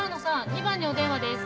２番にお電話です。